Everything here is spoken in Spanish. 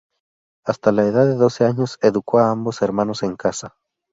Hasta la edad de doce años educó a ambos hermanos en casa.